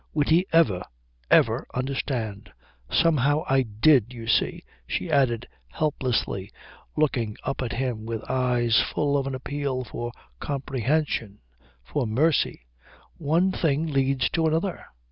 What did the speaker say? Would he ever, ever understand? "somehow I did. You see," she added helplessly, looking up at him with eyes full of an appeal for comprehension, for mercy, "one thing leads to another."